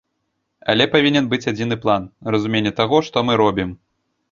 Але павінен быць адзіны план, разуменне таго, што мы робім.